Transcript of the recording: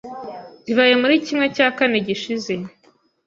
Bibaye muri kimwe cya kane gishize.